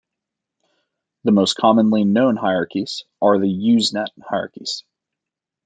The most commonly known hierarchies are the "Usenet hierarchies".